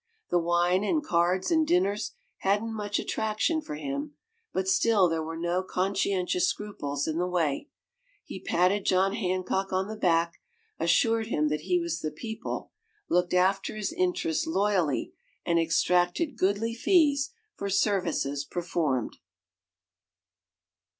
The wine and cards and dinners hadn't much attraction for him, but still there were no conscientious scruples in the way. He patted John Hancock on the back, assured him that he was the people, looked after his interests loyally, and extracted goodly fees for services performed.